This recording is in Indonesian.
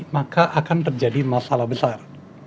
maka akan terjadi masalah besar